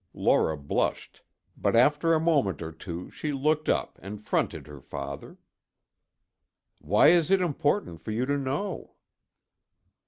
Laura blushed, but after a moment or two she looked up and fronted her father. "Why is it important for you to know?"